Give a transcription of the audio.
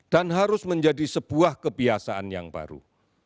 harus menjadi sebuah kebiasaan yang baru